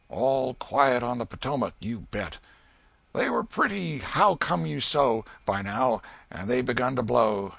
All quiet on the Potomac, you bet! "They were pretty how come you so, by now, and they begun to blow.